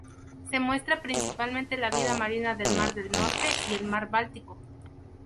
Se muestra principalmente la vida marina del mar del Norte y el mar Báltico.